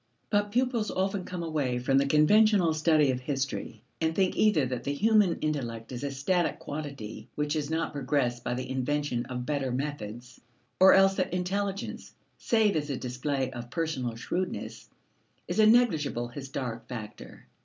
But pupils often come away from the conventional study of history, and think either that the human intellect is a static quantity which has not progressed by the invention of better methods, or else that intelligence, save as a display of personal shrewdness, is a negligible historic factor.